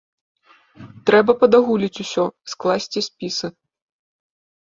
Трэба падагуліць усё, скласці спісы.